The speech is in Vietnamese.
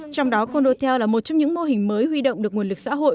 trong đó condotel là một trong những mô hình mới huy động được nguồn lực xã hội